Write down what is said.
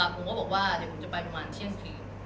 ผมก็บอกว่าจะไปประมาณชี่เชื้อนคืน